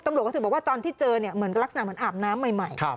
ตำรวจก็ถือบอกว่าตอนที่เจอเนี่ยเหมือนลักษณะเหมือนอาบน้ำใหม่